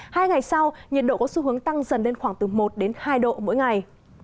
hai ngày sau nhiệt độ có xu hướng tăng dần lên khoảng từ một đến hai độ mỗi ngày